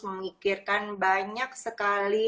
memikirkan banyak sekali